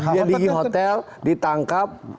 dia di hotel ditangkap